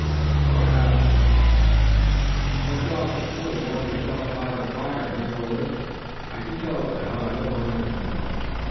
"So I have," said Black Rifle. "Brush off the snow, warm yourself by the fire, and then we'll listen." "I can tell it now. I don't mind the snow.